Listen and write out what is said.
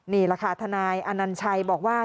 นี่แหละค่ะทนายอนัญชัยบอกว่า